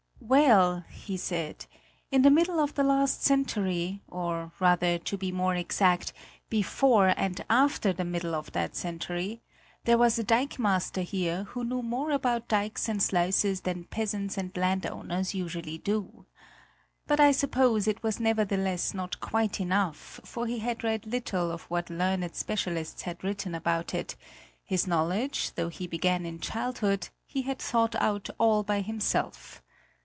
Well, he said, in the middle of the last century, or rather, to be more exact, before and after the middle of that century, there was a dikemaster here who knew more about dikes and sluices than peasants and landowners usually do. But I suppose it was nevertheless not quite enough, for he had read little of what learned specialists had written about it; his knowledge, though he began in childhood, he had thought out all by himself.